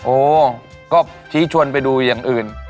โอ้ก็ชี้ชวนไปดูอย่างอื่น